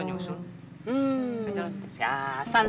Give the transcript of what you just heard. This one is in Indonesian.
ini karena hassan